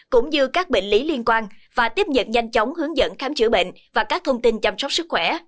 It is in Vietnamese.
cũng như các bệnh lý liên quan và tiếp nhận nhanh chóng hướng dẫn khám chữa bệnh và các thông tin chăm sóc sức khỏe